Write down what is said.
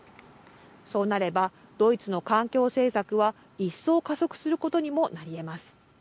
そうなれば、ドイツの環境政策は一層、加速することにもなりえます。